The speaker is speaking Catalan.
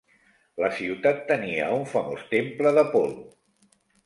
La ciutat tenia un famós temple d'Apol·lo.